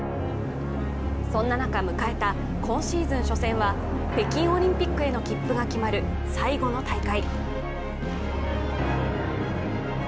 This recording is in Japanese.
そんな中、迎えた今シーズン初戦は北京オリンピックへの切符が決まる、最後の大会。